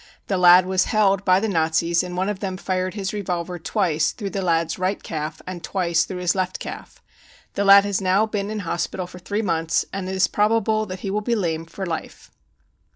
The lad was held by the Nazis and one of them fired his revolver twice through the lad's right calf and twice through his left calf. The lad has now been in hospital for three months, and it is probable that he will be lame for life.